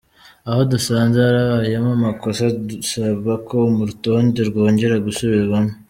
Aho dusanze harabayemo amakosa dusaba ko urutonde rwongera gusubirwamo.